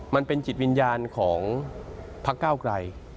มันเป็นจิตวิญญาณของพักเก้าไกร